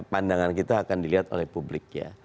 pandangan kita akan dilihat oleh publik ya